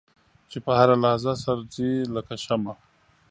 چې په هره لحظه سر ځي لکه شمع.